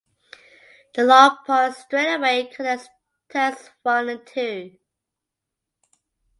The "Long Pond Straightaway" connects turns one and two.